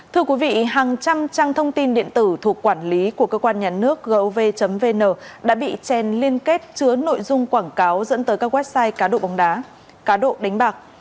thưa quý vị hàng trăm trang thông tin điện tử thuộc quản lý của cơ quan nhà nước gov vn đã bị chèn liên kết chứa nội dung quảng cáo dẫn tới các website cá độ bóng đá cá độ đánh bạc